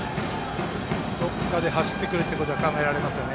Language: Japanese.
どこかで走ってくることは考えられますよね。